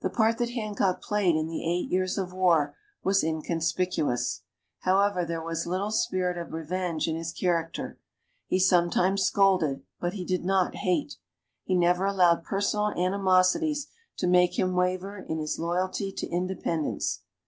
The part that Hancock played in the eight years of war was inconspicuous. However, there was little spirit of revenge in his character: he sometimes scolded, but he did not hate. He never allowed personal animosities to make him waver in his loyalty to independence.